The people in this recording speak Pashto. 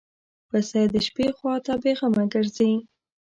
پسه د شپې خوا ته بېغمه ګرځي.